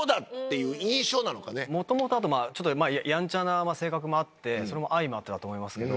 元々やんちゃな性格もあってそれも相まってだと思いますけど。